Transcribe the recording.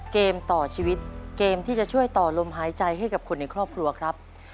เกมต่อชีวิตเกมที่จะช่วยต่อลมหายใจให้กับคนในครอบครัวครับ